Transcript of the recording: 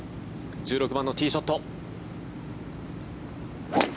１６番のティーショット。